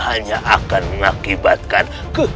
hanya akan mengakibatkan keguguran